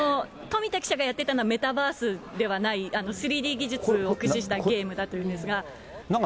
富田記者がやってたのはメタバースではない、３Ｄ技術を駆使したゲームだったんですが。